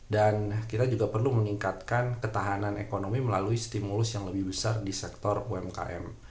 dan kita juga perlu meningkatkan ketahanan ekonomi melalui stimulus yang lebih besar di sektor umkm